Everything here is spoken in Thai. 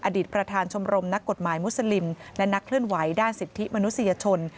ประธานชมรมนักกฎหมายมุสลิมและนักเคลื่อนไหวด้านสิทธิมนุษยชน